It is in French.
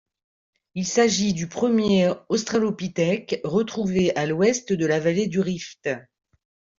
Il s'agit du premier Australopithèque retrouvé à l'ouest de la vallée du Rift.